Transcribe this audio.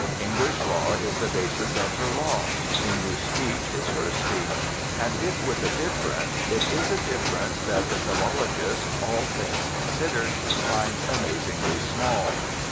English law is the basis of her law. English speech is her speech, and if with a difference, it is a difference that the philologist, all things considered, finds amazingly small.